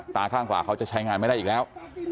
ตาข้างขวาเขาจะใช้งานไม่ได้อีกแล้ว